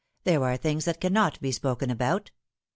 There are things that cannot be spoken about.